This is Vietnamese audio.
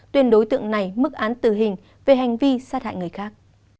tuyên đối tượng này mức án tử hình về hành vi sát hại người khác